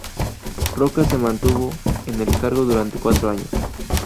Roca se mantuvo en el cargo durante cuatro años.